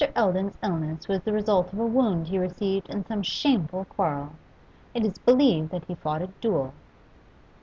Eldon's illness was the result of a wound he received in some shameful quarrel; it is believed that he fought a duel.